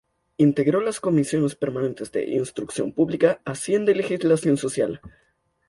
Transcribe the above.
Integró las Comisiones permanentes de: Instrucción Pública; Hacienda y Legislación Social.